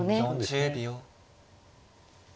４０秒。